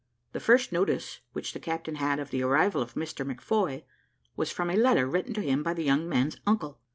The first notice which the captain had of the arrival of Mr McFoy, was from a letter written to him by the young man's uncle.